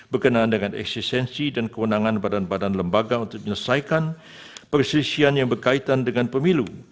berkenaan dengan eksistensi dan kewenangan badan badan lembaga untuk menyelesaikan perselisihan yang berkaitan dengan pemilu